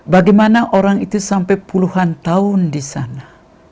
bagaimana orang itu sampai puluhan tahun di sana